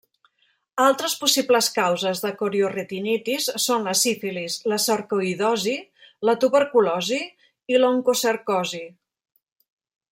Altres possibles causes de corioretinitis són la sífilis, la sarcoïdosi, la tuberculosi i l'oncocercosi.